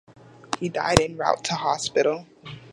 He died "en route" to hospital.